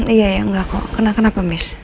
iya gak kok kenapa miss